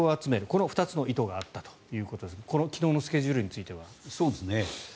この２つの意図があったということですが昨日のスケジュールについては。